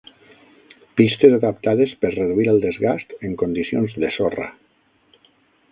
Pistes adaptades per reduir el desgast en condicions de sorra.